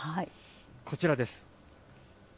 こちらです。